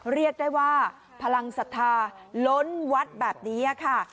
เรียกได้ว่าพลังศรัทธาล้นวัดแบบนี้ค่ะ